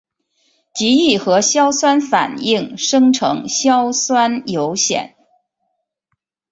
极易和硝酸反应生成硝酸铀酰。